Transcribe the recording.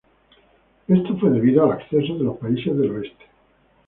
Esto fue debido al acceso de los países del Oeste.